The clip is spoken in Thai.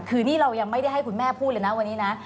คือนี่เรายังไม่ได้ให้คุณแม่พูดเลยนะวันนี้นะ